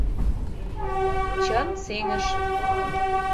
Чын сеҥыш.